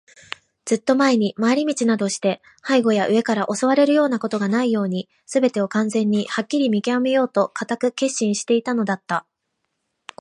ずっと前に、廻り道などして背後や上から襲われるようなことがないように、すべてを完全にはっきり見きわめようと固く決心していたのだった。